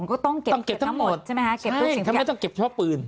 ไม่เขาไม่ต้องเก็บช่อกปืน